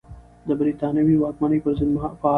د بریتانوي واکمنۍ پر ضد فعال و.